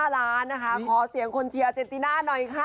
๕ล้านนะคะขอเสียงคนเชียร์เจนติน่าหน่อยค่ะ